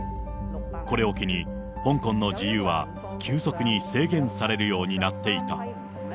これを機に香港の自由は急速に制限されるようになっていた。